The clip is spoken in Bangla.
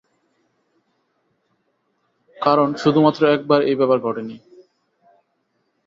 কারণ শুধুমাত্র একবার এই ব্যাপার ঘটেনি।